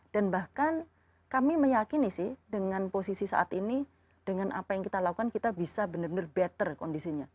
dan bahkan kami meyakini sih dengan posisi saat ini dengan apa yang kita lakukan kita bisa benar benar better kondisinya